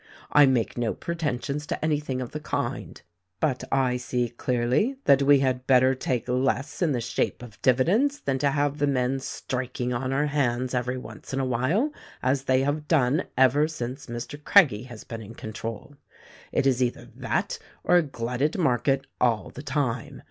I make no pretensions to anything of the kind ; but I see clearly that we had better take less in the shape of dividends than to have the men striking on our hands every once in a while, as they have done ever since Mr. Craggie has been in con trol. It is either that or a glutted market, all the time.